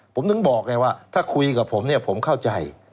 ผมถึงบอกไงว่าถ้าคุยกับผมเนี่ยผมเข้าใจ